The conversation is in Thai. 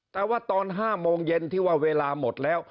แต่ว่าตอน๕โมงเย็นที่ว่าเวลาหมดแล้ว